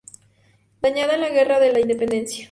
Dañada en la Guerra de la Independencia.